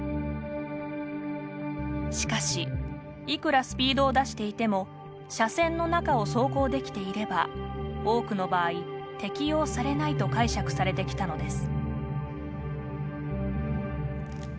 しかしいくらスピードを出していても車線の中を走行できていれば多くの場合適用されないと解釈されてきたのです。